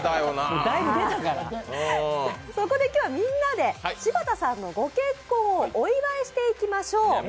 そこで今日はみんなで柴田さんのご結婚をお祝いしていきましょう。